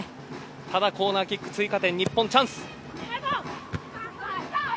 ただコーナーキック日本追加点のチャンス。